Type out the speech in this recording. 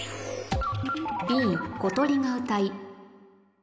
「Ｂ小鳥が歌い」